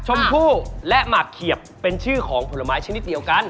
ชมพู่และหมากเขียบเป็นชื่อของผลไม้ชนิดเดียวกัน